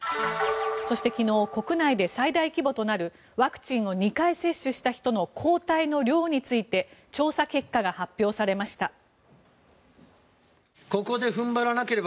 そして、昨日国内で最大規模となるワクチンを２回接種した人の抗体の量について調査結果が発表されました。